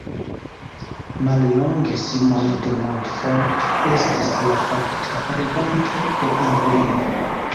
Mallonge Simon de Montfort estis la fakta reganto de Anglio.